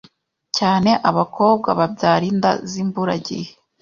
cyane abakobwa babyara inda z’imburagihe.